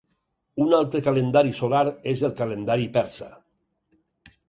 Un altre calendari solar és el calendari persa.